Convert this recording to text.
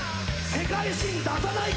世界新！